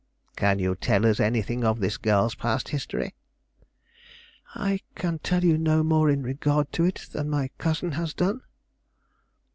"Can you tell us anything of this girl's past history?" "I can tell you no more in regard to it than my cousin has done."